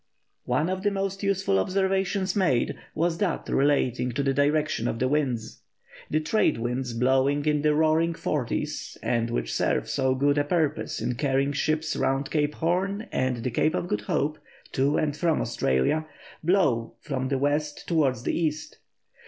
One of the most useful observations made was that relating to the direction of the winds. The trade winds blowing in the "roaring forties," and which serve so good a purpose in carrying ships round Cape Horn and the Cape of Good Hope to and from Australia, blow from the west towards the east.